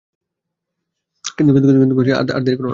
কিন্তু আর দেরি কোরো না।